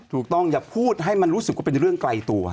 อย่าพูดให้มันรู้สึกว่าเป็นเรื่องไกลตัว